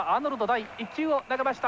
第１球を投げました。